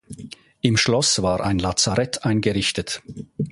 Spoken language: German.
Im Schloß war ein Lazarett eingerichtet.